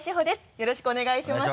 よろしくお願いします。